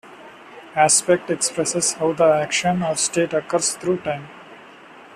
Aspect expresses how the action or state occurs through time.